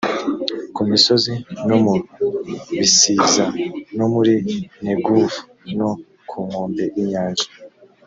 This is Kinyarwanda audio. ku misozi, no mu bisiza, no muri negevu no ku nkombe y’inyanja,